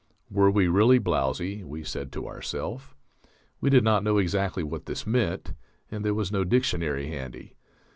Were we really blowzy, we said to ourself? We did not know exactly what this meant, and there was no dictionary handy.